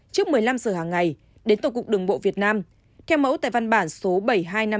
trước một mươi năm giờ hàng ngày đến tổng cục đường bộ việt nam theo mẫu tại văn bản số bảy nghìn hai trăm năm mươi